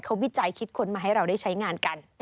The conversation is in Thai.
เขาวิจัยคิดค้นมาให้เราได้ใช้งานกัน